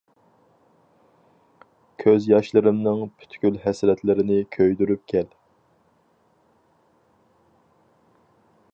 كۆز ياشلىرىمنىڭ پۈتكۈل ھەسرەتلىرىنى كۆيدۈرۈپ كەل.